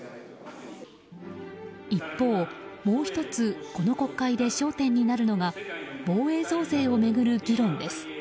一方、もう１つこの国会で焦点となるのが防衛増税を巡る議論です。